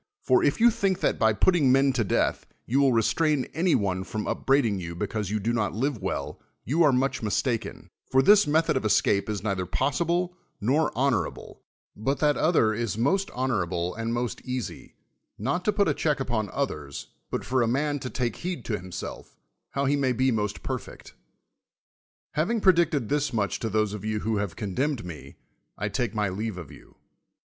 For, if you think that by putting men to death you will restrain any one from upbraiding you because you do not live well, you are much mistaken ; i'or this method of es cape is neither possible nor honorable, but that other is most honorable and most easy, not to put a check u]^on others, but for a man to take heed to himself, how he may be most perfect. Having predicted thus riiiich to those of you who have condemned me, I take my leave of you.